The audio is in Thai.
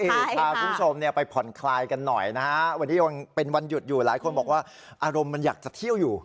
พาคุณผู้ชมเนี่ยไปผ่อนคลายกันหน่อยนะฮะวันนี้ยังเป็นวันหยุดอยู่หลายคนบอกว่าอารมณ์มันอยากจะเที่ยวอยู่